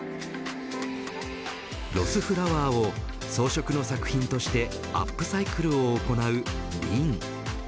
ロスフラワーを装飾の作品としてアップサイクルを行うＲＩＮ。